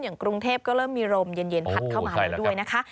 กรุงเทพก็เริ่มมีลมเย็นพัดเข้ามาแล้วด้วยนะคะ